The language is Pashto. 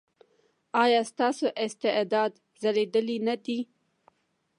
ایا ستاسو استعداد ځلیدلی نه دی؟